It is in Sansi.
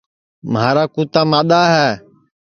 مھارا کُوتا مادؔا ہے